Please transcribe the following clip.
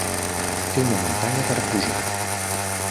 Té una muntanya per pujar